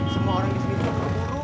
semua orang di sini sudah berburu